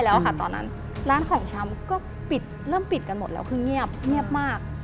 แล้วตอนนั้นร้านของชำเริ่มปิดกันหมดแล้วเงียบเงียบมาก